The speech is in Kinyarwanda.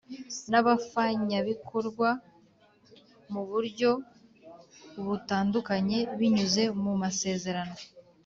n abafanyabikorwa mu buryo butandukanye binyuze mu masezerano